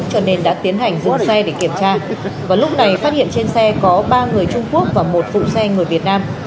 cho nên đã tiến hành giữ xe để kiểm tra và lúc này phát hiện trên xe có ba người trung quốc và một phụ xe người việt nam